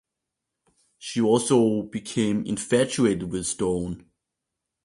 She also became infatuated with Stone.